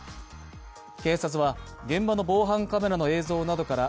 警察は現場の防犯カメラの映像などから